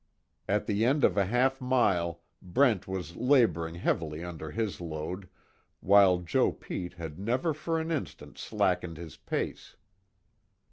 At the end of a half mile Brent was laboring heavily under his load, while Joe Pete had never for an instant slackened his pace.